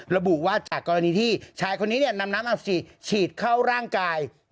ระบุว่าจากกรณีที่ชายคนนี้นำน้ำอักษิฉีดเข้าร่างกาย